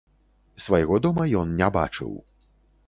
Свайго дома ён не бачыў.